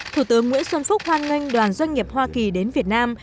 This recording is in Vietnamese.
thủ tướng nguyễn xuân phúc hoan nghênh đoàn doanh nghiệp hoa kỳ đến việt nam